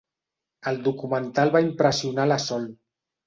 El documental va impressionar la Sol.